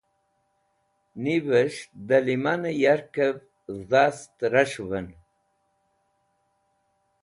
Nivẽs̃h dẽ ilmẽ yarkẽv dhast ras̃hũvẽn.